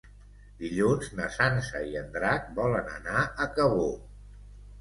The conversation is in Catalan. Dilluns na Sança i en Drac volen anar a Cabó.